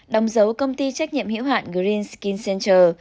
đồng dấu công ty trách nhiệm hữu hạn green skin center